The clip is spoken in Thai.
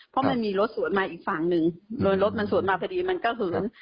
เพราะมันมีรถสวนมาอีกฝั่งหนึ่งโดยรถมันสวนมาพอดีมันก็เหิน